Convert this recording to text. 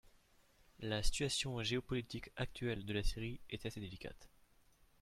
La situation géopolitique actuelle de la Syrie est assez délicate.